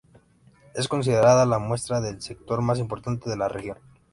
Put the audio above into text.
Es considerada la muestra del sector más importante de la región.